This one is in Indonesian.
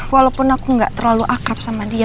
walaupun aku gak terlalu akrab sama dia